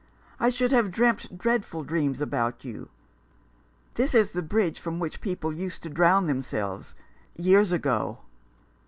I should have dreamt dreadful dreams about you. This is the bridge from which people used to drown themselves — years ago."